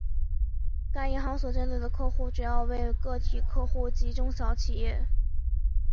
该银行所针对的客户主要为个体客户及中小企业。